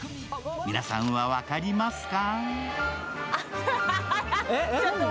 皆さんは分かりますか？